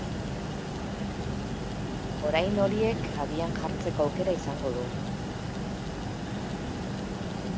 Orain horiek abian jartzeko aukera izango du.